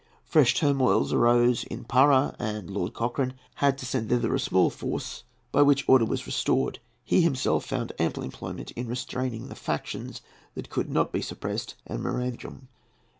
Fresh turmoils arose in Parà, and Lord Cochrane had to send thither a small force, by which order was restored. He himself found ample employment in restraining the factions that could not be suppressed at Maranham.